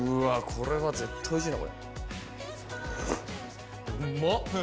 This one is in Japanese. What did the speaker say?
これは絶対おいしいな。